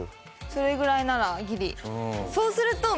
それぐらいならギリ。